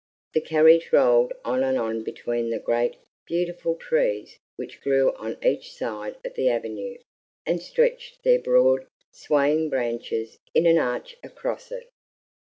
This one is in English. The carriage rolled on and on between the great, beautiful trees which grew on each side of the avenue and stretched their broad, swaying branches in an arch across it.